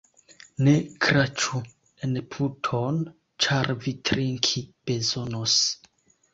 Ne kraĉu en puton, ĉar vi trinki bezonos.